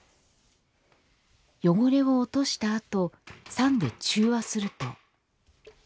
汚れを落とした後酸で中和すると。